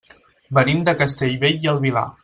Venim de Castellbell i el Vilar.